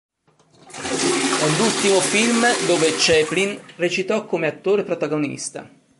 È l'ultimo film dove Chaplin recitò come attore protagonista.